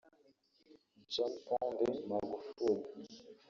John Pombe Magufuli